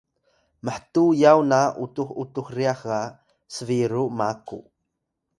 mhtuw yaw na utux utux ryax ga sbiru maku